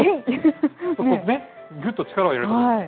そこね、ぐっと力を入れるところ。